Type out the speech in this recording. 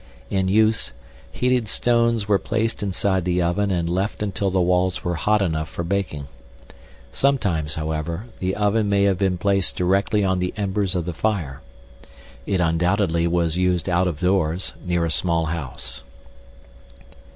In use, heated stones were placed inside the oven and left until the walls were hot enough for baking. Sometimes, however, the oven may have been placed directly on the embers of the fire. It undoubtedly was used out of doors, near a small house.